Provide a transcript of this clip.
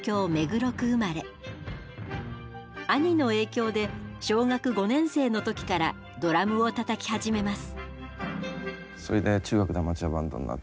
兄の影響で小学５年生の時からドラムをたたき始めます。